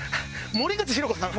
森口博子さん。